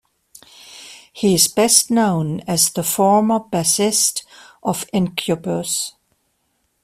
He is best known as the former bassist of Incubus.